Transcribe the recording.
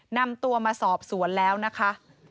นำตัวมาสอบสวนแล้วนะคะ